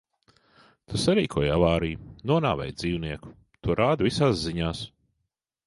Tu sarīkoji avāriju, nonāvēji dzīvnieku. To rāda visās ziņās.